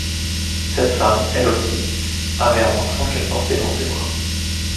Cette femme, elle aussi, avait un enfant qu’elle portait dans ses bras.